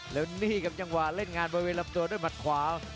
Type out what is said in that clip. แล้วนี่ครับจังหวะเล่นงานบริเวณลำตัวด้วยหมัดขวา